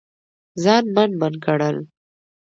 ځان من من ګڼل